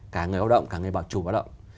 cả người lao động cả người bảo trù lao động